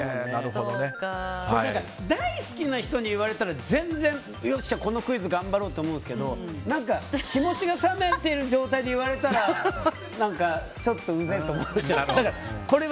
大好きな人に言われたら全然、よっしゃこのクイズ頑張ろうって思うんですけど気持ちが冷めてる状態で言われたらちょっとうざいと思っちゃう。